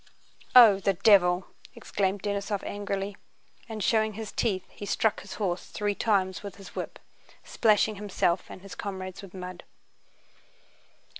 "Oh, the devil!" exclaimed Denísov angrily, and showing his teeth he struck his horse three times with his whip, splashing himself and his comrades with mud.